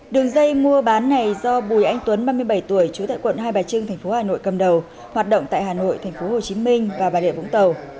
đường dây mua bán này do bùi anh tuấn ba mươi bảy tuổi trú tại quận hai bài trưng thành phố hà nội cầm đầu hoạt động tại hà nội thành phố hồ chí minh và bà lịa vũng tàu